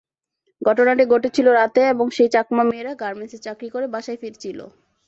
ঘটনাটি ঘটেছিল রাতে এবং সেই চাকমা মেয়েরা গার্মেন্টসে চাকরি করে বাসায় ফিরছিল।